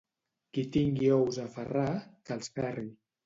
Qui tingui ous a ferrar, que els ferri.